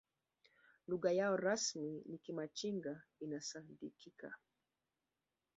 lugha yao rasmi ni kimachinga inasadikika